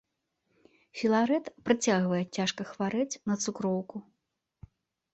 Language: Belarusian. Філарэт працягвае цяжка хварэць на цукроўку.